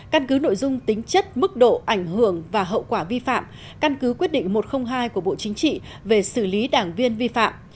căn cứ nội dung tính chất mức độ ảnh hưởng và hậu quả vi phạm căn cứ quyết định một trăm linh hai của bộ chính trị về xử lý đảng viên vi phạm